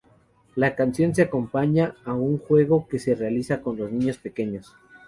La canción se acompaña a un juego que se realiza con los niños pequeños.